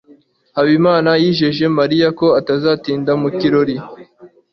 habimana yijeje mariya ko atazatinda mu kirori